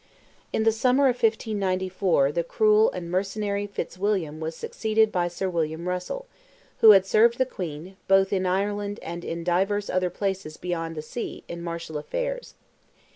In the summer of 1594 the cruel and mercenary Fitzwilliam was succeeded by Sir William Russell, who had served the Queen, both in Ireland "and in divers other places beyond sea, in martial affairs."